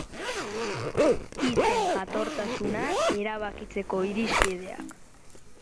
Hitzen jatortasuna erabakitzeko irizpideak.